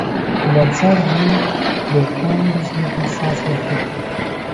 ناچار بووم بۆخۆم بەزمێکم ساز دەکرد